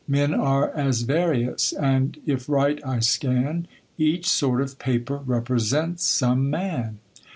Men are as various : and, if right I scan, Each sort oi paper represents some man.